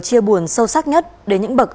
chia buồn sâu sắc nhất đến những bậc